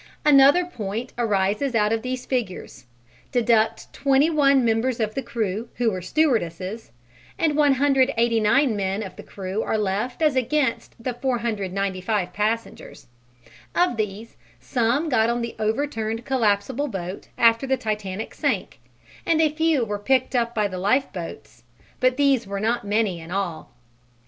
Another point arises out of these figures deduct 21 members of the crew who were stewardesses, and 189 men of the crew are left as against the 495 passengers. Of these some got on the overturned collapsible boat after the Titanic sank, and a few were picked up by the lifeboats, but these were not many in all.